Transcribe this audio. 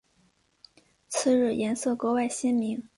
次日颜色格外鲜明。